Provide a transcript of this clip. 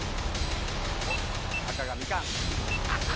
赤がみかん。